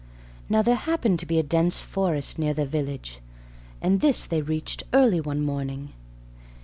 Now there happened to be a dense forest near their village, and this they reached early one morning.